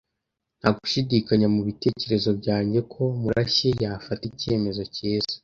Nta gushidikanya mubitekerezo byanjye ko Murashyi yafata icyemezo cyiza.